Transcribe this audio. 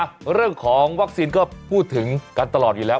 เรื่องของวัคซีนก็พูดถึงกันตลอดอยู่แล้ว